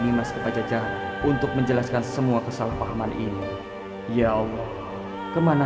dimas kepada jaja untuk menjelaskan semua kesalahpahaman ini ya allah kemana